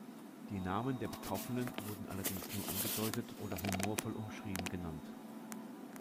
Die Namen der Betroffenen wurden allerdings nur angedeutet oder humorvoll umschrieben genannt.